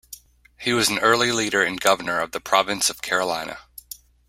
He was an early leader and governor of the Province of Carolina.